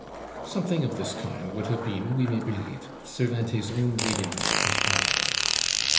Something of this kind would have been, we may believe, Cervantes's own reading of his parable.